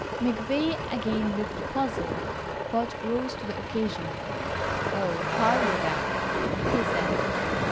McVay again looked puzzled, but rose to the occasion. "Oh, hardly that," he said.